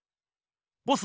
ボス